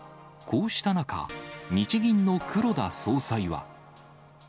こうした中、日銀の黒田総裁は。